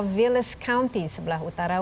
villas county sebelah utara